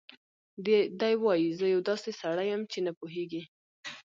دی وايي: "زه یو داسې سړی یم چې نه پوهېږي